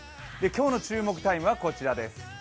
今日の注目タイムは、こちらです。